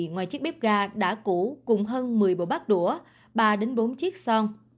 ngoài chiếc bếp ga đã cũ cùng hơn một mươi bộ bát đũa ba bốn chiếc son